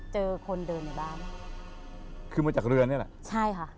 เจอคนเดินในบ้านคือมาจากเรือนี่แหละใช่ค่ะ